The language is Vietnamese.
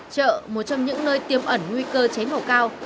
chợ một trong những nơi tiêm ẩn nguy cơ cháy nổ cao